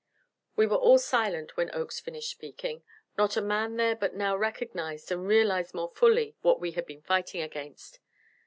We were all silent when Oakes finished speaking. Not a man there but now recognized and realized more fully what we had been fighting against.